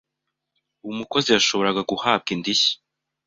umukozi yashoboraga guhabwa indishyi